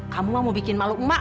kamu mak mau bikin maluk mak